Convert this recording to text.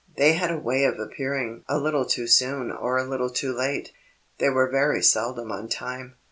They had a way of appearing a little too soon or a little too late. They were very seldom on time.